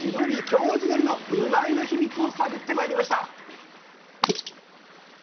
京地どりのうまいッ！のヒミツを探ってまいりました！